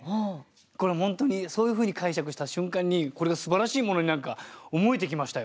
これ本当にそういうふうに解釈した瞬間にこれがすばらしいものに何か思えてきましたよ。